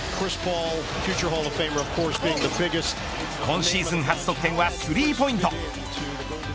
今シーズン初得点はスリーポイント。